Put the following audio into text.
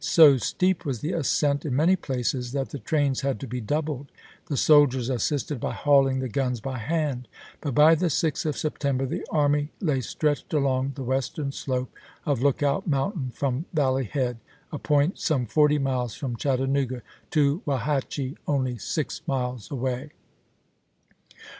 So steep was the ascent in many places that the trains had to be doubled; the soldiers assisted by hauling the 1863. guns by hand. But by the 6th of September the army lay stretched along the western slope of Lookout Mountain from Valley Head, a point some forty miles from Chattanooga, to Wauhatchie, only six miles away.